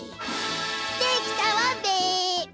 できたわべ。